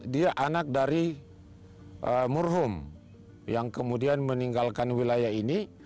dia anak dari murhoum yang kemudian meninggalkan wilayah ini